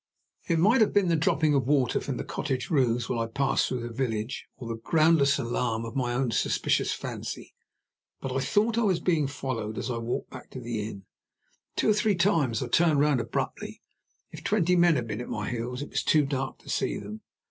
It might have been the dropping of water from the cottage roofs while I passed through the village, or the groundless alarm of my own suspicious fancy, but I thought I was being followed as I walked back to the inn. Two or three times I turned round abruptly. If twenty men had been at my heels, it was too dark to see them.